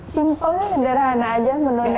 simpelnya sederhana aja menurutnya